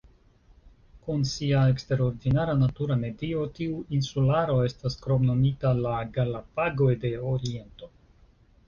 Kun sia eksterordinara natura medio, tiu insularo estas kromnomita "La Galapagoj de Oriento".